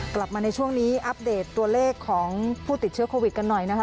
กลับมาในช่วงนี้อัปเดตตัวเลขของผู้ติดเชื้อโควิดกันหน่อยนะคะ